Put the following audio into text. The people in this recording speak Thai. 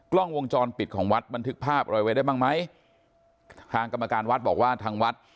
กล้องวงจรปิดของวัดบันทึกภาพอะไรไว้ได้บ้างไหมทางกรรมการวัดบอกว่าทางวัด